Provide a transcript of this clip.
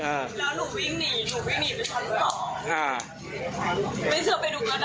หนูวิ่งหนีไปชั้น๒